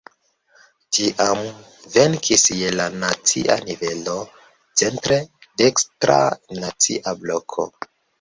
Tiam venkis je la nacia nivelo centre dekstra "Nacia Bloko".